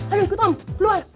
ayo ikut om keluar